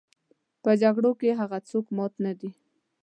په جګړو کې هغه څوک مات نه دي.